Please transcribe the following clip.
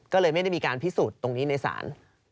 ก็เลยไม่ได้มีการพิสูจน์ตรงนี้ในศาล